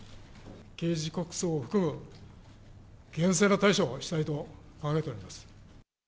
刑事告訴を含む厳正な対処をしたいと考えております。